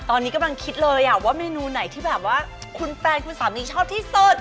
ตอนนี้กำลังคิดเลยว่าเมนูไหนที่แบบว่าคุณแฟนคุณสามีชอบที่สุด